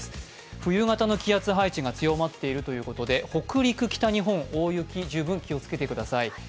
冬型の気圧配置が強まっているということで、北陸、北日本、大雪に十分気をつけてください。